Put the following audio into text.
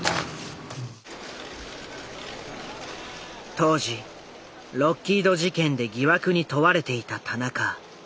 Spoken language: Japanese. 当時ロッキード事件で疑惑に問われていた田中。